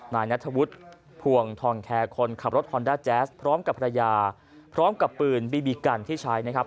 นายนัทวุฒิพวงทองแคร์คนขับรถฮอนด้าแจ๊สพร้อมกับภรรยาพร้อมกับปืนบีบีกันที่ใช้นะครับ